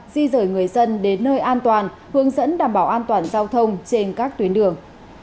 di rời người dân đến nơi an toàn hướng dẫn đảm bảo an toàn giao thông trên các tuyến đường